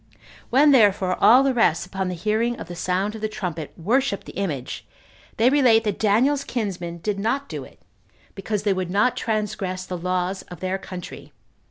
When therefore all the rest, upon the hearing of the sound of the trumpet, worshipped the image, they relate that Daniel's kinsmen did not do it, because they would not transgress the laws of their country.